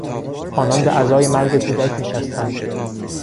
آنان به عزای مرگ کودک نشستند.